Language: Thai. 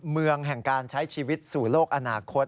เมืองแห่งการใช้ชีวิตสู่โลกอนาคต